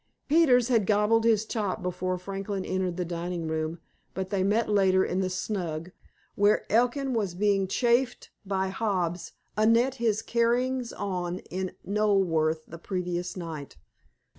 Peters had gobbled his chop before Franklin entered the dining room, but they met later in the snug, where Elkin was being chaffed by Hobbs anent his carryin's on in Knoleworth the previous night.